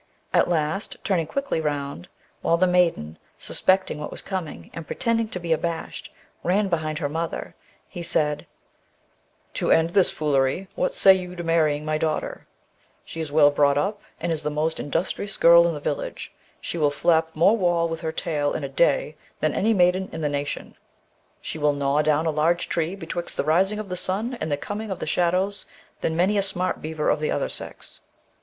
At last, turning quickly round, while the maiden, suspecting what was coming, and pretending to be abashed, ran behind her mother, he said, ' To end this foolery, what say you to marrying my daughter? She is well brought up, and is the most industrious girl in the village. She will flap more wall with her tail in a day than any maiden in the nation ; she will gnaw down a larger tree betwixt the rising of the sun and the coming of the shadows than many a smart beaver of the other sex.